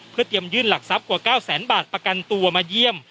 เพื่อเตรียมยื่นหลักทรัพย์กว่า๙แสนบาทประกันตัวมาเยี่ยม